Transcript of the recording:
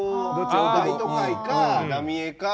大都会か浪江か。